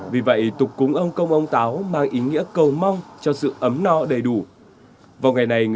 vì vậy tục cúng ông công ông táo mang ý nghĩa cầu mong cho sự ấm no đầy đủ